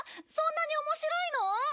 そんなにおもしろいの？